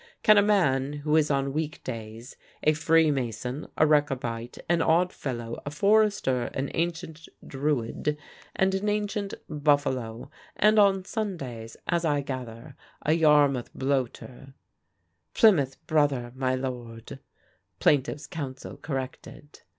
Can a man who is on weekdays a Freemason, a Rechabite, an Oddfellow, a Forester, an Ancient Druid, and an Ancient Buffalo, and on Sundays (as I gather) a Yarmouth Bloater " "Plymouth Brother, my lord," plaintiff's counsel corrected.